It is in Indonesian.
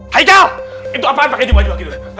hai kal itu apaan pakai jubah jubah gitu